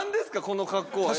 この格好は。